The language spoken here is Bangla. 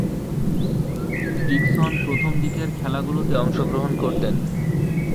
ডিক্সন প্রথম দিকের খেলাগুলোতে অংশগ্রহণ করতেন।